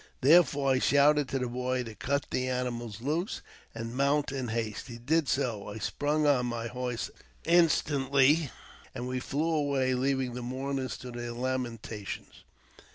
Therefore I shouted to the boy to cut the animals loose, and mount in haste. He did so ; I sprung on my horse instantly, and we flew away, leaving the mourners to their lamentations.